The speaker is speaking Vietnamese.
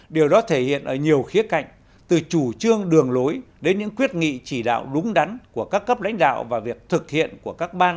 điều đó thể hiện ở nhiều khía cạnh từ chủ trương đường lối đến những quyết nghị chỉ đạo đúng đắn của các cấp lãnh đạo và việc thực hiện của các ban